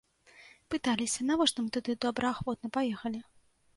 Пыталіся, навошта мы туды добраахвотна паехалі?